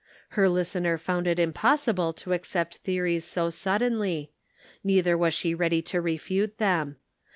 Her listener found it impossible to accept theories so suddenly ; nei ther was she ready to refute them.